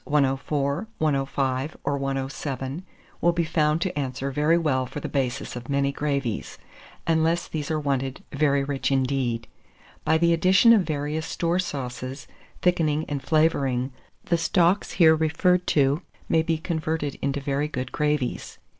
104, 105, or 107, will be found to answer very well for the basis of many gravies, unless these are wanted very rich indeed. By the addition of various store sauces, thickening and flavouring, the stocks here referred to may be converted into very good gravies.